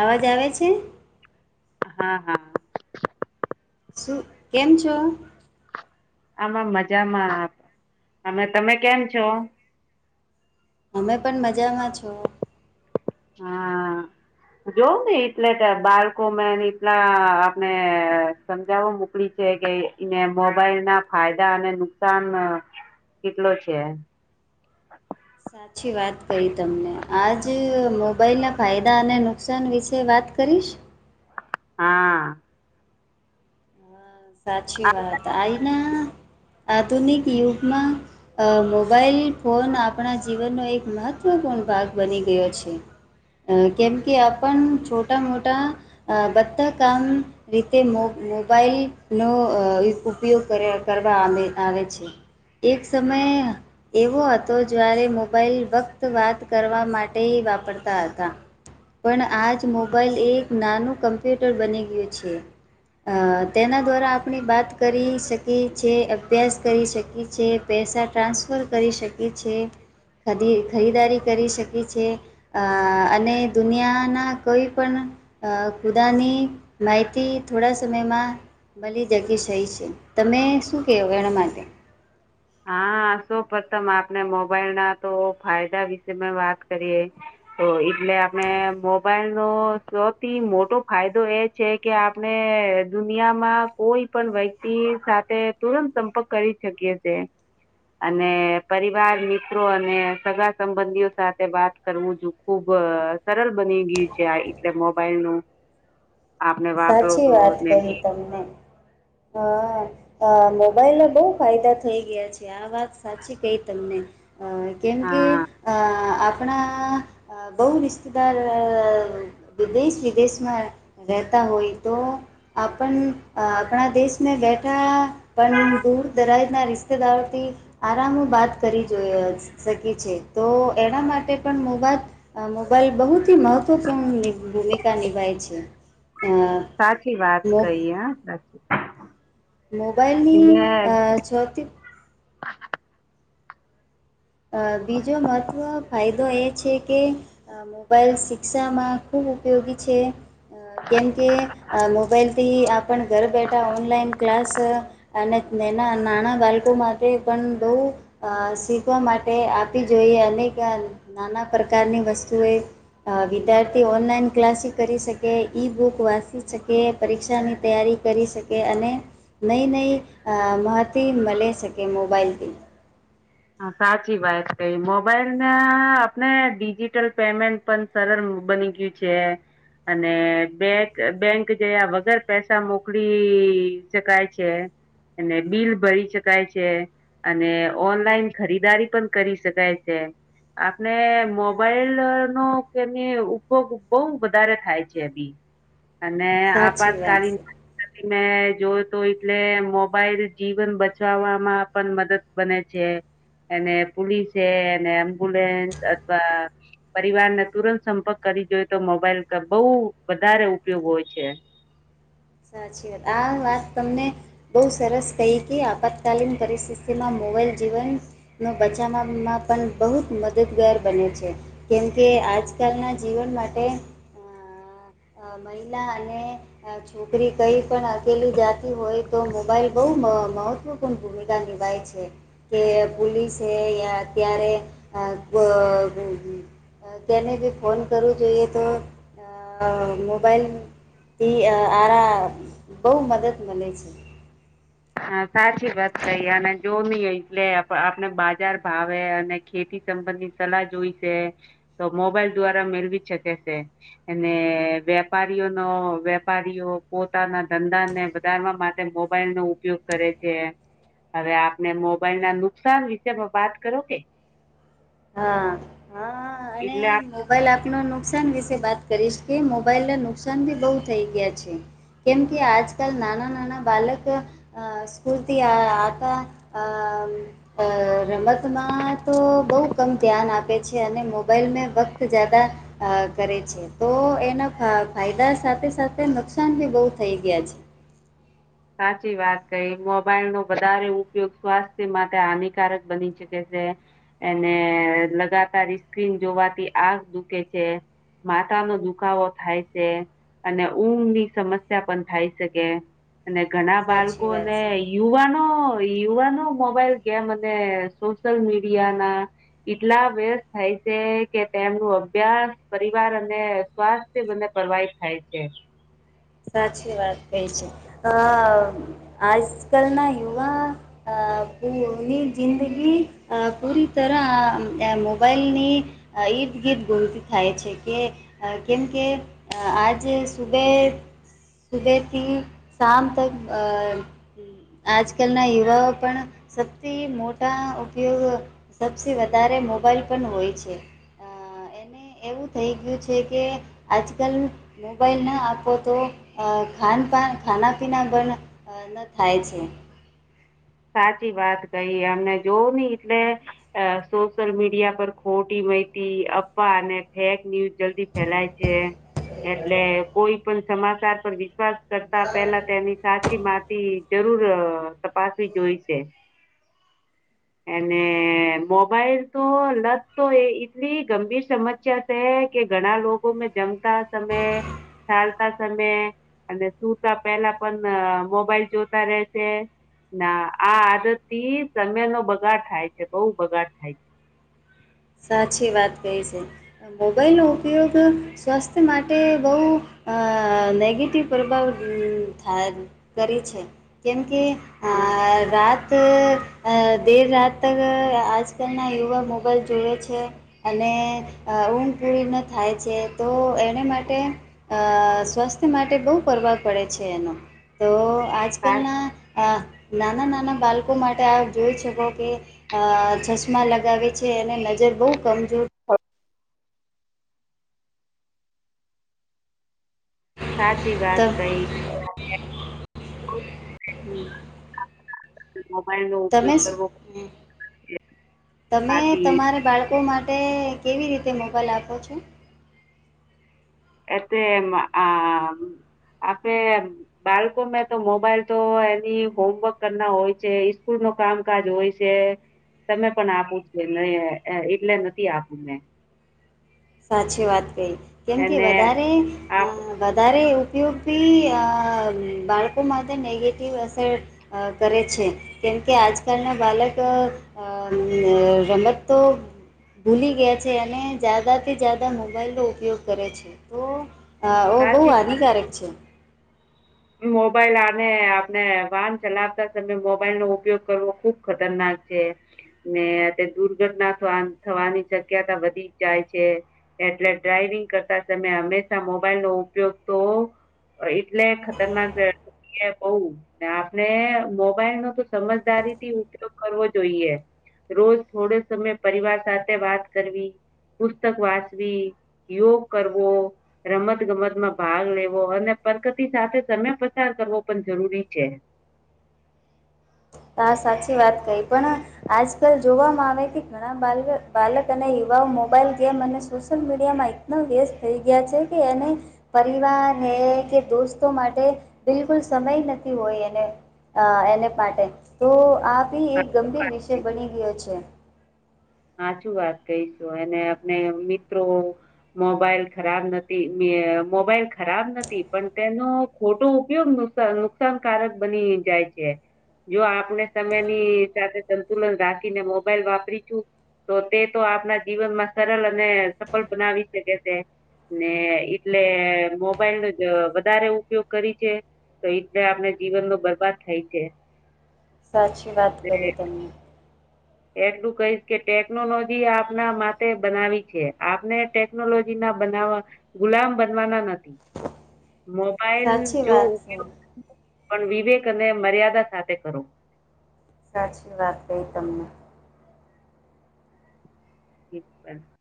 અવાજ આવે છે હા હા શું કેમ છો આમાં મજામાં આપ અમે તમે કેમ છો અમે પણ મજામાં છો હા જોઉં ને એટલે કે બાળકો મે એટલા આપણે સમજાવવા મોકલી છે કેને મોબાઈલ ના ફાયદા અને નુકસાન કેટલો છે હ સાચી વાત કરી તમને આજ મોબાઈલના ફાયદા અને નુકસાન વિશે વાત તત્ કરી કરીશ હા સાચી વાત આઈના આધુનિક યુગમાં મોબાઈલ ફોન આપણા જીવનનો એક મહત્ત્વપૂર્ણ ભાગ બની ગયો છે અ કેમ કે આપણ છોટા મોટા બધધા કામ રીતે મો મોબાાઈલનો ઉપયોગ કર કરવા આવે છે એક સમય એવો હતો જ્યારે મોબાઈલ વક્ત વાત કરવા માટે વાપરતા હતા પણ આજ મોબાાઈલ એક નાનું કમ્પ્યુટર બની ગયો છે અ તેના દ્વારા આપણી વાત કરી શકી છે અભ્યાસ કરી શકી છે પૈસા ટ્રાન્સફર કરી શકે છે ખદી ખરીદારી કરી શકી છે અ અને દુનિયાના કોઈ પણ ખુદાની માહિતી થોડા સમયમાં ભલે જગ્યા સહી છે તમે શું કહો વના માટે હા સૌ પ્રથમ આપને મોબાઈલ ના તો ફાયદા વિશે વાત કરીએ તો એટલે આપણે મોબાઈલ નો સૌથી મોટો ફાયદો એ છે કે આપણે દુનિયામાં કોઈ પણ વ્યક્તિ સાથે તુરંત સંપર્ક કરી શકીએ છે [inaudible] અને પરિવાર મિત્રો અને સગા સંબંધીઓ સાથે વાત કરવું જો ખુબ સરળ બની ગયું છે આ એટલે મોબાઈલ નું હ આપણે વાપરો સાચી તો વાત ને કહી બી તમને હા મોબાઈલ ના બહુ ફાયદા થઈ ગયા છે આ વાત સાચી કઈ તમને અ કેમ કે હા અ આપણા બહ રિશ્તેદાર દેશ વિદેશમાં રહેતા હોય તો આપણ આપણા દેશમાં બેઠા પણ દૂરદરાજના રિશ્તેદારોથી આરામ બાત કરી શકી છે તો એના માટે પણ મોબા મોબાઈલ બહુથી મહત્વ મહત્વપૂર્ણ ભૂમિકા નિભાય છે અ સાચી વાત કહી હ બસ મ મોબાઈલની છટીિક [inaudible] બીજો મહત્ત્વ ફાયદો એ છે કે મોબાઈલ શિક્ષામાં ખૂબ ખૂ ઉપયોગી છે કેમકે મોબાઈલથી આપણ ઘર બેઠા ઓનલાઈન ક્લાસ અને ના નાણા ગાલ્કું માથેકુ અ સીખ શીખવવા માટે આપી જોઈએ, અનેક નાના પ્રકારની વસ્તુએ. વિદ્યાર્થી ઓનલાઈન ક્લાસી કરી શકે ઈ બુક વાંચી શકે પરીક્ષાની તૈયારી કરી શકે, અને નઈ નઈ મહતી મળે છે. મોબાઈલથી સાચી વાત ક‌ઈ મોબાઈલ ના આપણે ડિજિટલ પેમેન્ટ પણ સરળ બની. ચુક્યું છે. અને બેંક બેંક જયા વગર પૈસા મોકલી શકાય છે. અને બિલભરી શકાય છે, અને ઓનલાઈન ખરીદારી પણ કરી શકાય છે. આપડે મોબાઈલ નો કે એની ઉપયોગ બહુ વધારે થાય છે, તી હ [inaudible] અને આપાતકાલીન મેં જોય તો એટલે મોબાઈલ જીવન બચાવવામાં પણ મદદ બને છે. અને પોલીસે અને એમ્બ્યુલેન્સ અથવા પરિવારને તુરંત કરી જોઈ તો મોબાઈલ નો બહુ વધારે ઉપયોગ હોય છે. હ [inaudible] [unintelligible] સાચી વાત આ વાત તમને બહુ સરસ કહી કે આપતકાલીન પરિસ્થિતિમાં મોબાઈલ જીવન નો બચાવવામાં પણ બહુ જ મદદગાર બને છે, કેમકે આજકાલના જીવન માટે અ મહિલા અને છોકરી કૂઈ પણ અકેલી જાતી હોય તો મોબાઈલ બહુ. મહત્વપૂર્ણ ભૂમિકા નિભાય છે, કે પોલીસે અત્યારે તેને જે ફોન કરવો જોઈએ, તો હ મોબાઈલ તે આરામ બહુ મદદ મલે છે. હા સાચી વાત કંઈ અને જો નઈ એટલે આપણે બજાર ભાવે અને ખેતી સંબંધની સલાહ જોઈ છે, તો મોબાઈલ દ્વારા મેળવી શકે છે, અને વેપારીઓનો વેપારીઓ પોતાના ધંધાને વધારવા માટે મોબાઈલ નો ઉપયોગ કરે છે, હવે આપને મોબાઈલ ના નુકસાન વિશે વાત કરો કે. હા, હા અને એટલે આપ મોબાઈલ આપનું નુકસાન વિશે. વાત કરીશ કે મોબાઈલ ના નુકસાન ભી બહુ થઈ ગયા છે. કેમ કે આજકાલ નાના નાના બાળક સ્કૂલથી આવતા. રમતમાં તો બહુ મક્કમ ધ્યાન આપે છે, અને મોબાઈલ મેં વક્ત જયદા કરે છે, તો એના ફાયદા સાથે સાથે નુકસાન ભી બહુ થઈ ગયા છે, સાચી વાત કંઈ મોબાઈલ નો વધારે ઉપયોગ સ્વાસ્થ્ય માટે હાનિકારક બની શકે છે. એને લગાતાર સ્ક્રીન જોવાથી આંખ દુઃખે છે. માથાનો દુખાવો થાય છે, અને ઊંઘ ની સમસ્યા પણ થાઈ શકે. અને ઘણા બાળકો સાચી વાત અને છે. યુવાનો યુવાનો મોબાઈલ ગેમ અને સોશિયલ મીડિયા ના એટલા વ્યસ્ત થાય છે, કે તેમનું અભ્યાસ પરિવાર અને સ્વાસ્થ્ય બંને. પ્રવાહિત થાય છે. [unintelligible] [inaudible] સાચી વાત કઈ છે, અ આજ કાલના યુવા અ પૂરી જિંદગી પૂરી તરહ મોબાઈલની ઈદ ગીદ ગુમતી થાય છે, કે કેમ કે આજે સુબે સુબેહથી શામ તક અ આજકાલના યુવાઓ પણ સૌથી મોટા ઉપયોગ સૌથી વધારે મોબાઈલ પણ હોય છે. એને એવું થઈ ગયું છે, કે આજકાલ મોબાઈલ ન આપો તો ખાન પાન ખાનાપીના પણ ન થાય છે સાચી વાત કહી અમને જોવું ઈ એટલે સોશિયલ મીડિયા પર ખોટી માહિતી આપવા અને ફેક ન્યૂઝ જલ્દી ફેલાય છે એટલે કોઈ પણ સમાચાર પર વિશ્વાસ કરતા પેલા તેની સાચી માહિથી જરૂર તપાસવી જોઈ સે અને મોબાઈલ તો લત તો એ એટલી ગંભીર સમસ્યા છે કે ઘણા લોકો મે જમતા સમય ચાલતા સમય અને સુુંતા પેલા પણ મોબાઈલ જોતા રેશે ના આ આદતી સમય નો બગાડ થાય છે બહુ બગાડ થાય છે સાચી વાત કહે છે મોબાઈલનો ઉપયોગ સ્વાસ્થ્ય માટે બહુ નેગેટિવ પ્રભાવ થાય કરી છે કેમકે હમ રાત દેર રાત તક આજ કલના યુવા મોબાઈલ જો સૂવે છે, અને ઊન પૂરી ન થાય છે તો એને માટે અ સ્વાસ્થ્ય માટે બહુ ફવા પડે છે એનો, તો તો આજ સા- કલના નાના નાના બાળકો માટે આપ જોઈ શકો કે, ચશ્મા લગાવે છે. અને નજર બહુ કમજોર સાચી વાત ત કઈ મોબાઈલ નો તમે ઉપયોગ કરવો તમે આથી તમારે બાળકો માટે તે કેવી રીતે મોબાઈલ આપો છો એ તે આ આપે બાળકો મે તો મોબાઈલ તો એની હોમવર્ક કરના હોય છે કૂલ ન કામકાજ હોય છે તમે પણ આપો છ એટલે નથી આપું મે સાચી વાત કહી કેમ કે એને વધારે આપ વધારે તો બી બાળકો માટે નેગેટિવ અસર કરે છે કે કેમકે આજકાલના બાળક રમત તો ભૂલી ગયા છે એને જતા થી જાદા મોબાઈલનો ઉપયોગ કરે છે તો બહુ સાચી હાનિકારક છે મોબાઈલ આને આપને વાહન ચલાવતા સમય મોબાઈલ નો ઉપયોગ કરવો ખુબ ખતરનાક થાય છે ને તે દુર્ઘટના થવાની શક્યતા વધી જાય છે એટલે ડ્રાઈવિંગ કરતા તમે હંમેશા મોબાઈલ નો ઉપયોગ તો, એટલે તેમ જ એ બહ આપણે મોબાઈલ નો તો સમજદારી થી ઉપયોગ કરવો જોઈએ. રોજ થોડે સમય પરિવાર સાથે વાત કરવી. પુસ્તક વાચવી, યોગ કરવો, રમત ગમતમાં ભાગ લેવો અને પ્રગતિ સાથે તમે પસાર કરવો પણ જરૂરી છે. હ સાચી વાત કહી પણ, આજકાલ જોવામાં આવે કે ઘણા બા બાલક અને યુ મોબાઈલ ગેમ અને સોશિયલ મીડિયામાં એનો વેસ્ટ થઈ ગયા છે કે એને પરિવાર, કે દોસ્તો માટે, બિલકુલ સમય નથી હોય એને, એને માટે. તો આ ભી એક ગંભીર હા, વિષય બની ગયો છે. હચું વાત કહીશું અને આપને મિત્રો મોબાઈલ, ખરાબ નથી. મોબાઈલ ખરાબ નથી પણ તેનો ખોટો ઉપયોગ નુકસાનકારક બની જ છે, જો આપણે સમયની સાથે સંતુલન રાખીને મોબાઈલ વાપરી છું. તો તે તો આપણા જીવનમાં સરળ અને સફળ બનાવી શકે છે. ને એટલે મોબાઈલનો. જ વધારે ઉપયોગ કરી છે. તો એ રીતે આપણે જીવનમાં બરબાદ થાય છે. સાચી વાત ને કરી તેમને. એટલું કહીશ કે ટેકનોલોજી આપના માટે બનાવી છે આપને ટેકનોલોજી ના બનાવવા, ગુલામ બનવાના નથી. હ [inaudible] મોબાઈલ જો ઉપયોગ પણ વિવેક અને મર્યાદા સાથે કરો. સાચી વાત કહી તમને. પણ [unintelligible]